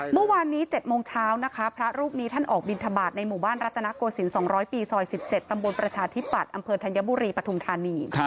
เมื่อวานนี้๗โมงเช้านะคะพระรูปนี้ท่านออกบินทบาทในหมู่บ้านรัตนโกศิลป๒๐๐ปีซอย๑๗ตำบลประชาธิปัตย์อำเภอธัญบุรีปฐุมธานี